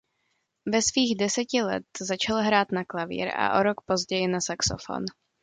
Ve svých deseti let začal hrát na klavír a o rok později na saxofon.